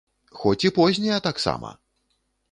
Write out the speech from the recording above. Хоць і познія таксама!